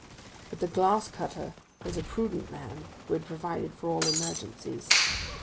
But the glass cutter was a prudent man who had provided for all emergencies.